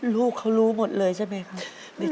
ลูกเขารู้หมดเลยใช่ไหมครับ